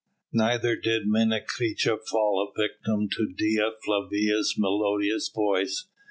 Neither did Menecreta fall a victim to Dea Flavia's melodious voice.